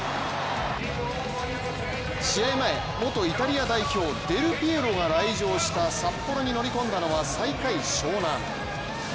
前、元イタリア代表、デル・ピエロが来場した札幌に乗り込んだのは最下位、湘南。